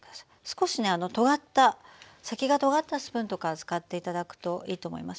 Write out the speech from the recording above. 少しねとがった先がとがったスプーンとか使って頂くといいと思います。